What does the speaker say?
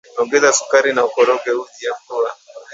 Ongeza sukari na ukoroge uji epua